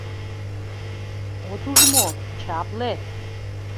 — От уж мо: чапле!